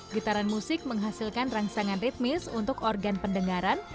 gitaran musik menghasilkan rangsangan ritmis untuk organ pendengaran